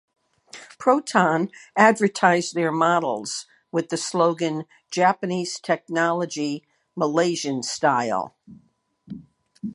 Proton advertised their models with the slogan "Japanese Technology, Malaysian Style".